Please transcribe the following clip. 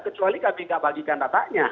kecuali kami nggak bagikan datanya